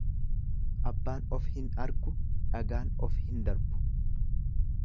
Abbaan of hin argu dhagaan of hin darbu.